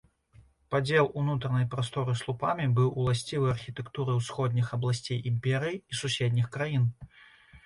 Падзел унутранай прасторы слупамі быў уласцівы архітэктуры ўсходніх абласцей імперыі і суседніх краін.